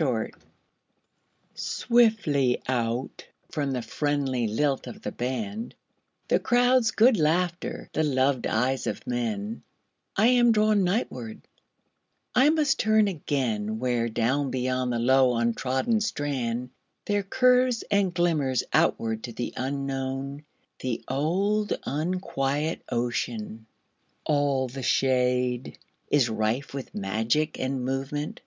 Seaside SWIFTLY out from the friendly lilt of the band, The crowd's good laughter, the loved eyes of men,I am drawn nightward; I must turn againWhere, down beyond the low untrodden strand, There curves and glimmers outward to the unknownThe old unquiet ocean. All the shadeIs rife with magic and movement.